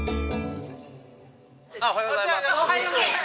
おはようございます。